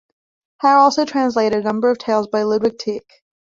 Hare also translated a number of tales by Ludwig Tieck.